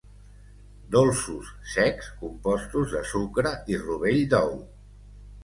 Dolços secs compostos de sucre i rovell d'ou.